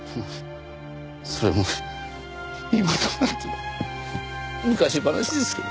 それも今となっては昔話ですけど。